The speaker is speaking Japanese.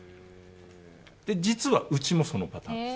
実はうちもそのパターンです。